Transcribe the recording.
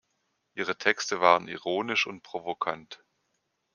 Ihre Texte waren ironisch und provokant.